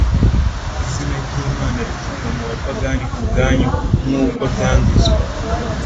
Izina ry’Imana ritukwa mu bapagani ku bwanyu, nk’uko byanditswe.